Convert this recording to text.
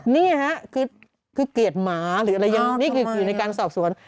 นี่ฮะคือเกลียดหมาหรืออะไรยังนี่คืออยู่ในการสอบสวน